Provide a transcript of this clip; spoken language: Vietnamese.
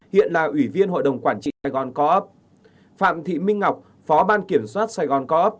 hiện là ủy viên hội đồng quản trị sài gòn co op phạm thị minh ngọc phó ban kiểm soát sài gòn co op